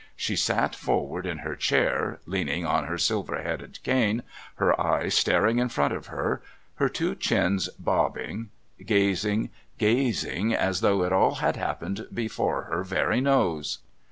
She sat forward in her chair, leaning on her silver headed cane, her eyes staring in front of her, her two chins bobbing, gazing, gazing as though it all had happened before her very nose.